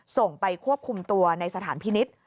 ส่งไปควบคุมตัวในสถานพินิษฐ์